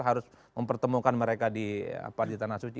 harus mempertemukan mereka di tanah suci